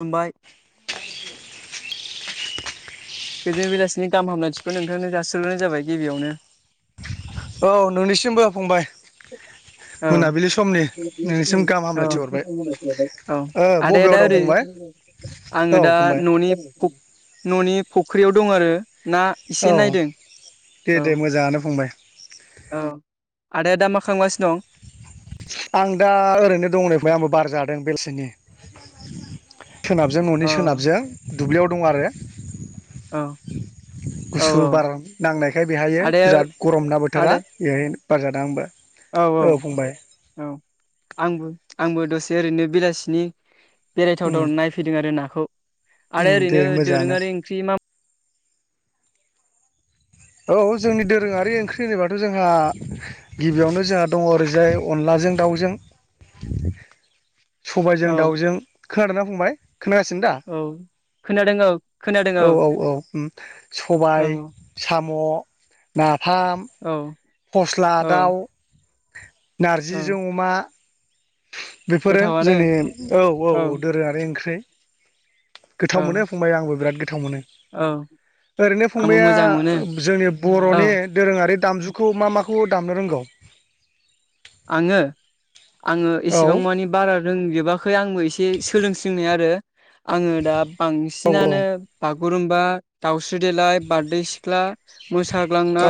[unintelligible] बाइ गोजोन बेलासिनि गाहामलायथिखो नोंथांनो जासिहरनाय जाबाय गिबियावनो। औ नोंनिसिमबो फंबाय। औ मोनाबिलि समनि नोंनिसिम गाहाम औ हामलायथि हरबाय औ ओ आदाया बबेयाव आदा दं ओरै फंबाय औ आङो दा फंबाय न'नि फुफ न'नि फुख्रियाव दं आरो ना इसे औ नायदों, दे औ। दे मोजाङानो फंबाय औ आदाया दा मा खालामगासिनो दं? आं दा ओरैनो दं नै फुय आंबो बार जादों बेलसिनि। सोनाबजों न'नि औ सोनाबजों दुब्लियाव दं आरो। अ। गुसु बार नांनायखाय बेहायो आदाया बिराद गरम ना आदा बोथोरा बेहाय बार जादों आंबो। औ औ औ। आंबो आंबो दसे ओरैनो बेलासिनि उम बेरायथावथाव नायफैदों आरो नाखौ। उम आदाया दे ओरैनो मोजाङानो दोरोङारि ओंख्रि मा औ जोंनि दोरोङारि ओंख्रि होनोबाथ' जोंहा गिबियावनो जोंहा दङ ओरैजाय अनलाजों दाउजों सबायजों औ दाउजों। खोनादोंना फंबाय, खोनागासिनो दा? औ खोनादों औ खोनादों औ औ औ उम औ सबाय साम म' नाफाम औ फस्ला औ दाउ औ नारजिजों अमा बेफोरो गोथावानो जोंनि औ औ औ दोरोङारि ओंख्रि। गोथाव मोनो औ फंबाय आंबो बिराद गोथाव गोथाव औ मोनो ओरैनो आंबो फंबाया मोजां मोनो जोंनि बर'नि औ दोरोङारि दामजु माखौ माखौ दामनो रोंगौ? आङो आङो औ एसेबां मानिे बारा रोंजोबा। आंबो एसे सोलोंसिनाय आरो आङो दा औ बांसिनानो बागुरुमबा दाउस्रि देलाय बारदै सिख्ला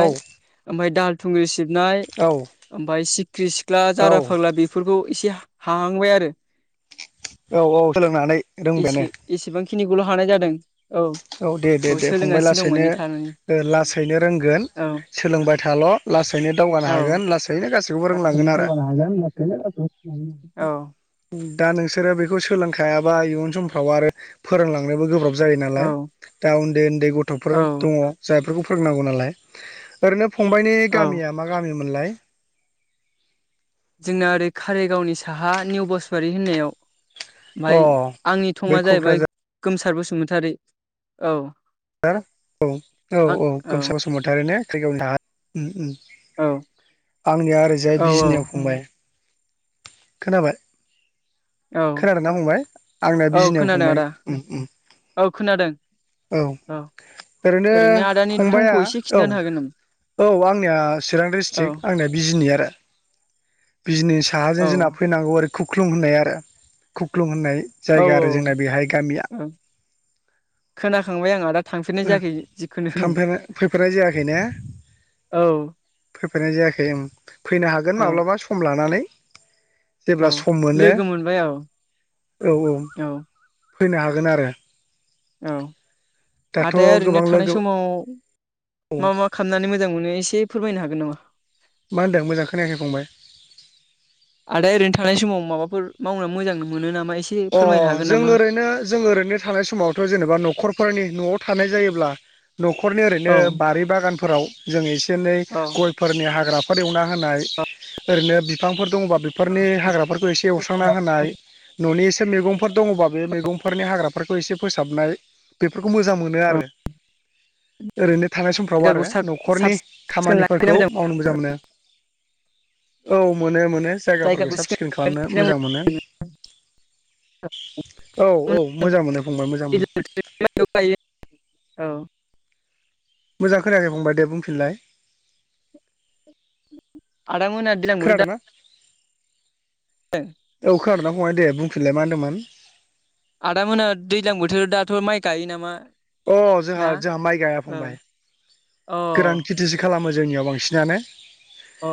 औ ओमफ्राय दाहाल थुंग्रि सिबनाय औ ओमफफ्राय सिख्रि सिख्ला, औ जारा फाग्ला बेफोरखौ इसे हांहांबाय आरो। औ औ सोलोंनानै रोंबायानो खिनिखौल' हानाय जादों। औ दे दे दे फंबाय सोलोंगासिनो दं लासैनो माने थारमाने लासैनो रोंगोन औ सोलोंबाय थाल' लासैनो दावगानो औ हागोन लासैनो गासैबो औ ओम दा नोंसोरो बेखौ सोलोंखायाबा इयुन समफ्राव आरो फोरोंलांनोबो गोब्राब जायो नालाय। औ दा उन्दै उन्दै गथ'फोर औ दङ जायफोरखौ फोरोंनांगौ नालाय, ओरैनो फंबायाइनि औ गामिया मा गामिमोनलाय? जोंना ओरै कारिगावनि साहा निउ बसरि होननायाव। अ ओमाय आंनि बे थङा जाहैबाय क'क्राझार गोमसार बसुमतारी औ। ार औ औ औ गोमसा बसुमतारि ने क्रिगायावनो थ औ आंनिया औ ओरैजाय बिजनियाव फंबाय। खोनाबाय? औ खोनादोंना बुंबाय आंना औ बिजनियाव खोनादों फंबाय। आदा औ खोनादों औ ओरैनो आदानि फंबाया थंखौ एसे औ खिन्थानो हागोन नामा? औ आंनिया चिरां औ डिस्ट्रिक्ट आंनिया बिजनि आरो बिजनि औ साहाजों जोंना फैनांगौ ओरै खुख्लुं होननाय आरो खुख्लुं होननाय। औ जायगा आरो जोंना बेहाय गामिया। औ खोनाखांबाय आं आदा थांफेरनाय ओ जायाखै जिखुनु थांफेर फैफेरानाय जायाखै ने औ फैफेरनाय जायाखै ओं फैनो हागोन औ माब्लाबा सम लानानै। औ जेब्ला सम मोनो लोगो मोनबाय औ औ औ। फैनो हागोन आरो। औ दाथ' आदाया ओरैनो गोबां थानाय लोगो समाव। मा मा खालामनानै मोजां मोनो एसे फोरमायनो हागोन नामा? मा होनदों मोजां खोनायाखै फंबाय? आदा ओरैनो थानाय समाव माबाफोर मावना मोजां मोनो नामा? एसे अ फोरमायनो हागोन जों नामा? ओरैनो जों ओरैनो थानाय समावथ' जेनेबा न'खरफोरनि न'आव थानाय जायोब्ला न'खरनि औ ओरैनो बारि बागानफोराव जोङ ओरैनो औ गयफोरनि हाग्राफोर एवना होनाय ओरैनो बिफांफोर दंबा बेफोरनि हाग्राफोरखौ एसे एवस्रांना होनाय। न'नि एसे मैगंफोर दङबा बे मैगंफोरनि हाग्राफोरखौ एसे फोसाबनाय। बेफोरखौ मोजां मोनो औ आरो। ओरैनो थानाय समफ्राव आरो जायगाखौ साब साब न'खरनि सिखोन लाखिनो खामानिफोरखौ मावनो मोजां मोनो। औ मोनो मोनो जायगाफोरखौ साब सिखोन खालामनो मोजां मोनो। औ मोजां मोनो फंबाय मोजां मोनो ायो [unintelligible] औ मोजां खोनायाखै फंबाय दे बुंफिनलाय। आद मोना [inaudible] [unintelligible] आदिांग दा खोनादोंना औ। खोनादोंना फंबाय दे बुंफिनलाय मा होनदोंमोन? आदा मोना दैज्लां बोथोराव दाथ' माइ गायो नामा? अ। ना जोंहा जोंहा माइ गाया औ फंबाय। अ गोरान खेथिसो खालामो जोंनियाव बांसिनानो अ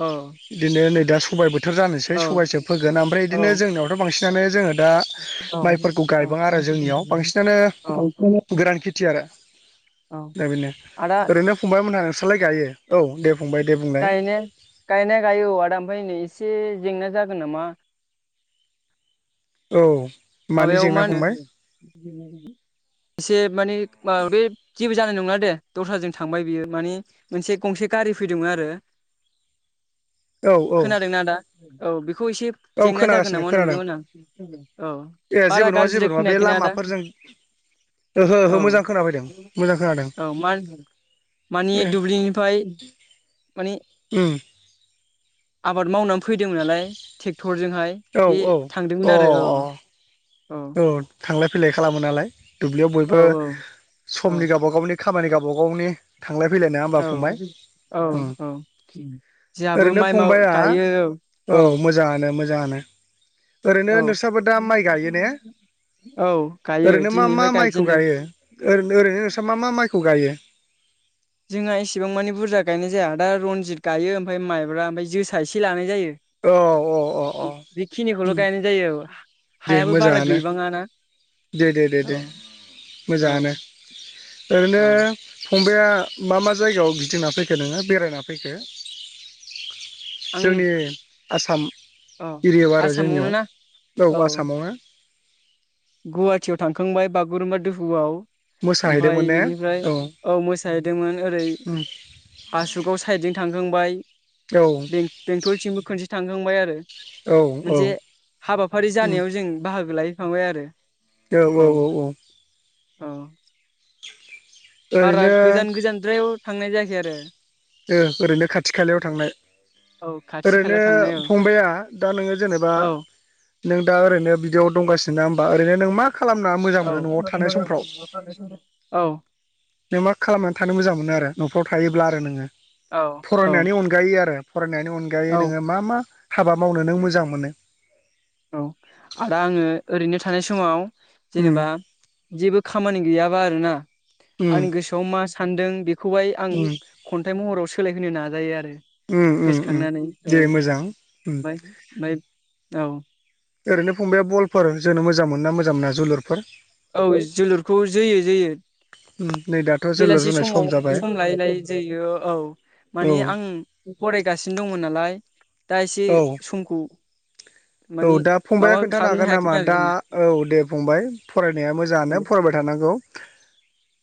औ। बिदिनो नै दा सबाय बोथोर जानोसै सबायसो फोगोन ओमफ्राय औ बिदिनो जोंनियावथ' बांसिनानो जोङो दा माइफोरखौ गायबा आरो जोंनियाव बांसिनानो गोरान खेथि आरो दा बेनो आदा ओरैनो फंबायमोनहा नोंसोरलाय गायो औ दे फंबाय दे बुंलाय गायनाय गायनाया गायो नै एसे जेंना जागोन नामा? औ। मानि माबायाव मा जेंना होनो फंबाय एसे माने मा बे जेबो जानाय नंला दे दस्राजों थांबाय बियो मानि मोनसे गंसे गारि फैदोंमोन आरो औ औ खोनादोंना आदा औ बे बेखौ एसे औ जेंना जागोन खोनागासिनो नामा खोनादों नंदोंमोन आं औ ए जेबो बारा नङा जेबो गाज्रिदाय नङा बे खोनायाखैना आदा? लामाफोरजों ओहो औ ओहो मोजां खोनाफैदों मोजां खोनादों औ मा होनदों? मानि ए दुब्लिनिफ्राय माने उम आबाद मावनानै फैदोंमोन नालाय ट्रेक्टरजोंहाय औ बे औ अ थांदोंमोन आरो औ‌ औ थांलाय फैलाय खालामो नालाय दुब्लियाव बयबो औ औ समनि गावबा गावनि खामानि गावबा गावनि थांलाय फैलाय नङा होमबा फंबाय औ उम औ औ जोंहाबो ओरैनो माइ माव फंबाया गायो औ मोजाङानो मोजां। मोजाङानो ओरैनो औ नोंस्राबो दा माइ गायो ने? औ गायो ओरैनो मा मा दिनैनिफ्राय माइखौ गायजेनदों गायो? ओरै ओरैनो नोंस्रा मा मा माइखौ गायो? जोंहा इसेबां मानि बुरजा गायनाय जाया दा रनजित गायो ओमफ्राय माइब्रा ओमफ्राय जोसा एसे लानाय औ औ अ अ जायो। बेखिनिखौल' उम गायनाय जायो औ दे हायाबो बारा मोजाङानो गैबाङाना? दे दे दे दे औ मोजाङानो ओरैनो औ फंबाया मा मा जाय जगायाव गिदिंना फैखो नोङो बेरायना फैखो? आं जोंनि आसाम औ एरियायाव आरो आसामावनो जोंनियाव ना औ बेयाव आसामावनो गुवाहाटियाव थांखांबाय बागुरुम्बा दोहौआव। मोसाहैदोंमोन ओमफ्राय ने बिनिफ्राय औ मोसाहैदोंमोन ओरै उम बासुगाव साइदजों थांखांबाय। औ बें बेंथलथिंबो खनसे थांखांबाय आरो। औ औ मोनसे हाबाफारि उम जानायाव जों बाहागो लाहैफाबाय आरो। औ औ औ औ। औ। बारा ओरैनो गोजान गोजानद्रायाव थांनाय जायाखै आरो। ओरैनो खाथि खालायाव थांनाय औ खाथि ओरैनो खालायाव थांनाय औ फंबाया दा नोङो जेनेबा औ नों दा ओरैनो बिदियाव दंगासिनो ना होनोमबा ओरैनो नों मा? खालामनो मोजां औ मोनो न'आव थानाय समफ्राव? नों मा खालामनानै थानो मोजां मोनो आरो न'खराव? थायोब्ला आरो नोङो औ औ फरायनायनि अनगायै। आरो फरायनायनि अनगायै औ नोङो मा मा? हाबा मावनो नों मोजां मोनो? औ आदा आङो ओरैनो थानाय समाव उम जेनेबा जेबो खामानि गैयाबा आरोना? उम आंनि गोसोआव मा सानदों बेखौहाय आं उम खन्थाइ महराव सोलायहोनो नाजायो आरो। उम उम उम गोसोखांनानै औ दे मोजां उम ओमफ्राय औ ओरैनो फंबाया बलफोर जोंनो मोजां मोना मोजां मोना जोलुरफोर औ जोलुरखौ जोयो जोयो उम नै दाथ' जोलुर बेलासि जोनाय समाव जाबाय सम लायै लायै जोयो औ। औ माने आं फरायगासिनो दंमोन नालाय दा एसे औ समखौ औ मानि दा फंबाया माबा खोन्थानो खालामनो हागोन नामा दा हायाखैमोन औ दे फंबाय फरायनाया मोजाङानो आरो फरायबाय थानांगौ।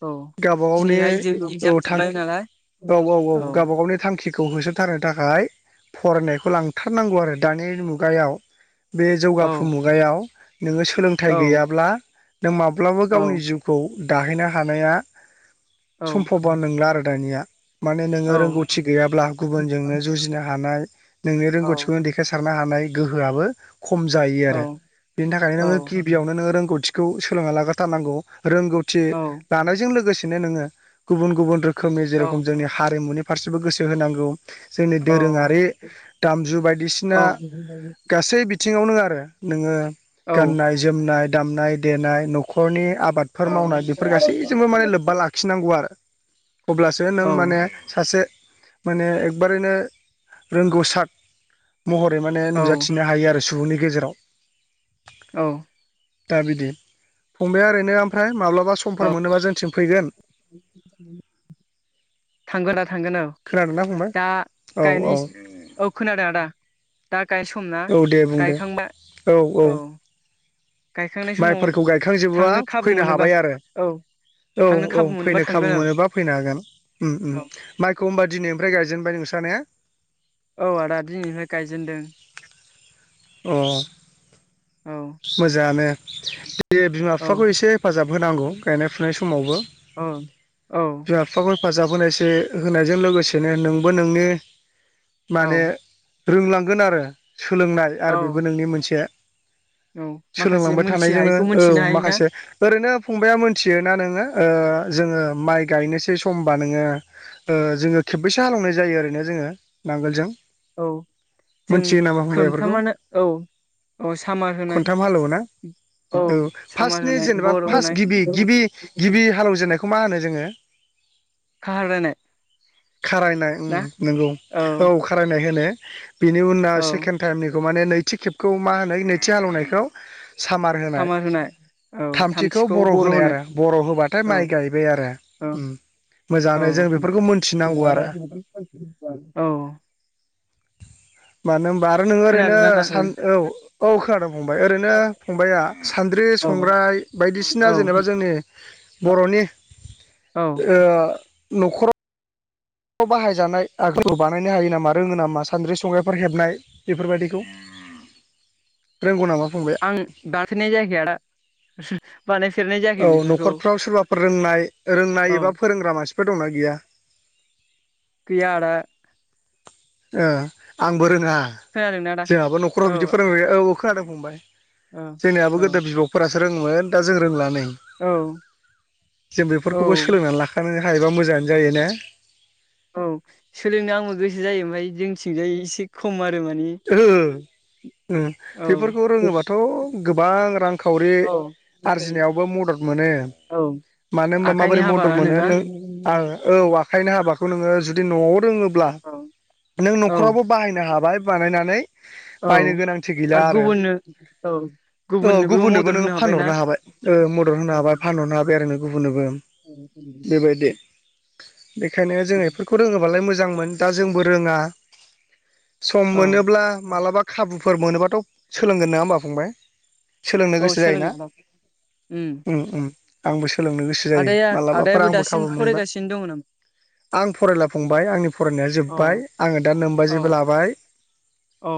औ गावबागावनि दिनैहाय जों औ एगजाम जोब्बाय थांखि नालाय औ औ औ गावब गावनि थांखि खौ होसोथारनो थाखाय फरायनायखौ लांथारनांगौ आरो दानि मुगायाव। बे औ जौगाफु मुगायाव नोङो औ सोलोंथाइ गैयाब्ला नों माब्लाबाबो औ गावनि जिउखौ दाहैनो हानाया सम्भब नंला आरो दानिया। माने औ नोङो रोंगौथि गैयाब्ला गुबुनजोंनो जुजिनो हानाय नोंनि औ रोंगौथिखौनो देखायसारनो हानाय गोहोआबो खम जायो आरो। औ बिनि थाखायनो औ नोङो गिबियावनो नोङो रोंगौ थिखौ सोलोंना लाग्रोथारनांगौ। रोंगौथि औ लानायजों लोगोसेनो नोङो गुबुन गुबुन रो खोमै जेरोखोम औ जोंनि हारिमुनि फारसेबो गोसो होनांगौ जोंनि दोरोङारि दामजु बायदिसिना गासै बिथिङावनो आरो नोङो गाननाय जोमनाय दामनाय देनाय न'खरनि आबादफोर मावनाय बेफोर गासैजोंबो माने लोब्बा लाखिनांगौ आरो। अब्लासो नों औ माने सासे माने एकबारैनो रोंगौसाद महरै माने औ नुजा हायो आरो सुबुंनि गेजेराव। औ दा बिदि, फंबाया ओरैनो ओमफ्राय माब्लाबा समफोर मोनोबा जोंनिथिं फैगोन? थांगोन आदा थांगोन औ, खोनादोंना फंबाय दा औ गायनाय, औ खोनादों आदा‌ गायनाय सम ना औ दे बुं दे गायखांबा औ। गायखांनाय समाव माइफोरखौ गायखांजोबोबा थांनो खाबु फैनो मोनोबा हाबाय आरो। औ औ थांनो औ खाबु मोनोबा फैनो थांगोन खाबु मोनोबा फैनो हागोन। उम उम औ माइखौ होमबा दिनैनिफ्राय गायजेनबाय नोंस्रा ने? औ आदा दिनैनिफ्राय गायजेनदों। अह। औ। मोजाङानो दे बिमा औ बिफाखौ एसे हेफाजाब होनांगौ गायनाय फुनाय समावबो। औ। औ बिमा बिफाखौ हेफाजाब होनायसे होनायजों लोगोसेनो नोंबो नोंनि औ माने रोंलांगोन आरो सोलोंनाय औ आरो बेबो नोंनि मोनसे औ माखासे सोलोंलांबाय मोनथि थानायजोंनो हायैखौ औ मोनथिनो हायोना माखासे ओरैनो फंबाया मोनथियोना नोङो ओ जोङो माइ गायनोसै समबा नोङो ओ जोङो खेबबैसो हालौनाय जायो ओरैनो जोङो नांगोलजों? औ जों मोनथियो नामा फंबाय बेफोरखौ खोनथामआनो औ औ सामार होनाय खनथाम हालेवो ना औ सामार फार्स्टनि होनाय जेनेबा बर' फार्स्ट होनाय गिबि गिबि गिबि हालेवजेननायखौ मा हो नो जोङो? खाहारायनाय। खारायनाय उम नंगौ औ खारायनाय होनो। बिनि उनाव औ सेकेण्ड टाइमनि माने नैथि खेबखौ मा होनो नैथि हालेवनायखौ सामार होनाय। थामथिखौ बर' होनाय आरो बर' होबाथाय औ माइ गायबाय आरो औ उम। औ मोजाङानो जों बेफोरखौ मोनथिनांगौ आरो औ मानो होनबा आरो नोङो ओरैनो खोनादोंना आदा सान औ औ खोनादों फंबाय ओरैनो फंबाया सान्द्रि औ संग्राय बायदिसिना औ जेनेबा जोंनि बर' नि औ ओ न'खराव बाहायजानाय [unintelligible] खौ बानायनो हायो नामा रोङो नामा सान्द्रि संग्राइफोर हेबनाय बेफोरबायाददिखौ? [inaudible] रोंगौ नामा? आं दाफेरनाय जायाखै आदा। बानायफेरनाय जायाखै औ बेफोरखौ न'खरफ्राव सोरबाफोर रोंनाय रोंनाय औ एबा फोरोंग्रा मानसि फोर दंना गैया। गैया आदा। ओ आंबो रोङा खोनादोंना आदा जोंहाबो न'खराव औ बिदि फोरोंबो औ औ खोनादों फंबाय औ जोंनियाबो औ गोदो बिबौफोरासो रोङोमोन दा जों रोंला नै औ जों बेफोरखौबो औ सोलोंनानै लाखानो हायोबा मोजाङानो जायो ने। औ सोलोंनो आंबो गोसो जायो ओमफाय जोंथिंजाय एसे खमानो। ओ ओ औ बेफोरखौ रोङोबाथ' गोबां रांखावरि औ आरजिनायावबो म दद मोनो। औ मानो होनबा आखाइनि माबोरै हाबा मदद मोनो होनोना नों आं औ आखायनि हाबाखौ नोङो न'आव रोङोब्ला औ नों औ नखरावबो बाहायनो हाबाय नायनानै औ बायनो गोनांथि गैला आरो गुबुननो औ ओ गुबुननोबो मदद नोङो होनो फानहर हाबायना नो हाबाय ओ मदद होनो हाबाय फानहरनो हाबाय आरो नों गुबुननोबो। औ बेबायदि बेखायनो जों बेफोरखौ रोङोबालाय मोजांमोन दा जोंबो रोङा। सम औ मोनोब्ला मालाबा खाबुफोर मोनोबाथ' सोलोंगोन नङा होनोमबा फंबाय। सोलोंनो औ गोसो सोलोङो जायोना। आदा उम ओम ओम आंबो सोलोंनो गोसो जायो आदाया मालाबाफोर आदायाबो आंबो दासिम खाबु मोनबा फरायगासिनो दङ नामा आं फरायला फंबाय आंनि फरायनाया अ जोब्बाय आङो दा नोंमबाजैबो औ लाबाय औ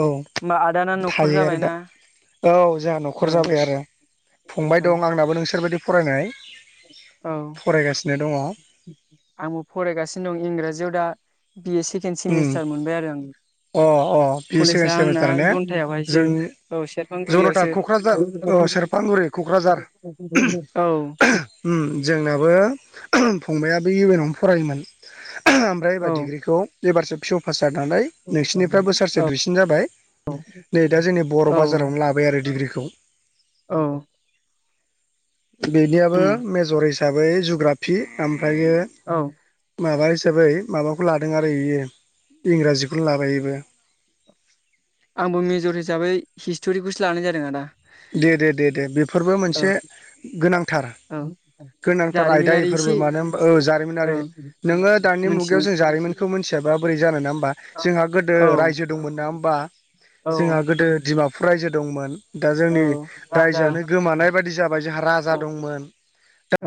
औ आदाना न'खर थायो आरो जाबायना दा औ जोंहा औ न'खर जाबाय आरो। फंबाय औ दं आंनाबो नोंसोरबायदि फरायनाय औ फरायगासिनो दङ आंबो फरायगासिनो दं इंराजियाव दा बि ए सेकेण्ड उम सेमिस्टार मोनबाय आरो आं। अ अ बि ए सेकेण्ड कलेजआ आंना सेमिस्टार ने जन्थायावहायसो जों औ जनथा सेरफांगुरियावसो क'क्राझार औ सेरफांगुरि क'क्राझार ओम जोंनाबो फंबायाबो बे इउ एन आवनो फरायोमोन ओमफ्राय एबार औ डिग्रिखौ एबारसो पिअ' पास जानानै नोंसिनिफ्राय बोसोरसे औ दुइसिन जाबाय। नै दा जोंनि बर' औ बाजारावनो लाबाय आरो डिग्रिखौ। औ बेनियाबो उम मेजर हिसाबै जुग्राफि ओमफ्रायो औ माबा हिसाबै माबाखौ लादों आरो बियो इंराजिखौनो लाबाय इबो। आंबो मेजर हिसाबै हिस्ट'रिखौसो लानाय जादों आदा। दे दे दे दे बेफोरबो औ मोनसे गोनांथार औ गोनांथार जारिमिनारि आयदाफोरबो एसे मानो होनबा औ औ जारिमिनारि नोङो दानि मोनथिनो मुगायाव जों जारिमिनखौ मोनथियाबा बोरै जानो नङा होनबा औ जोंहा गोदो रायजो दंमोन नोङा हो मबा औ जोंहा गोदो डिमापुर रायजो दंमोन दा औ जोंनि राजा रायजोआनो गोमानाय बेबायायदि जाबाय जोंहा औ राजा दंमोन। दा